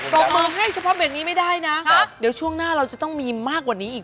รบมือให้เฉพาะเบรกนี้ไม่ได้นะเดี๋ยวช่วงหน้าเราจะต้องมีมากกว่านี้อีก